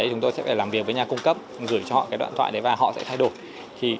chúng tôi sẽ phải làm việc với nhà cung cấp gửi cho họ đoạn thoại đấy và họ sẽ thay đổi